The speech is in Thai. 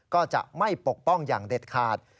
ก็จะไม่ปกป้องอย่างเด็ดขาด